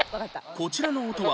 こちらの音は